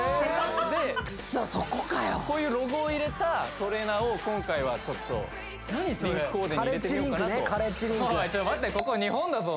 クソそこかよこういうロゴを入れたトレーナーを今回はちょっとリンクコーデに入れてみようかなとちょっと待て